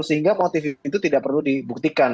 sehingga motif itu tidak perlu dibuktikan